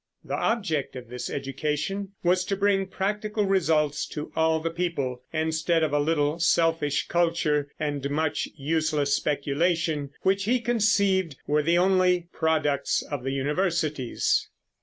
The object of this education was to bring practical results to all the people, instead of a little selfish culture and much useless speculation, which, he conceived, were the only products of the universities.